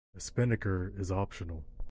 A spinnaker is optional.